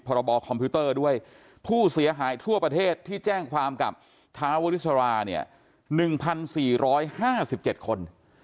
พรบคอมพิวเตอร์ด้วยผู้เสียหายทั่วประเทศที่แจ้งความกับท้าวริสราเนี่ย๑๔๕๗คน